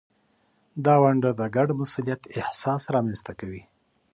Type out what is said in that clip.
دا ونډه د ګډ مسؤلیت احساس رامینځته کوي.